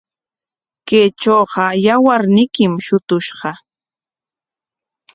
Kaytrawqa yawarniykim shutushqa.